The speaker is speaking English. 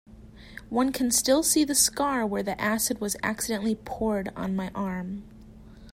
One can still see the scar where the acid was accidentally poured on my arm.